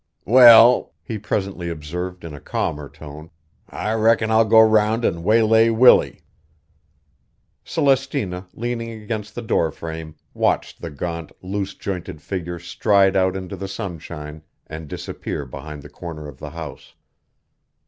"Well," he presently observed in a calmer tone, "I reckon I'll go round an' waylay Willie." Celestina, leaning against the door frame, watched the gaunt, loose jointed figure stride out into the sunshine and disappear behind the corner of the house.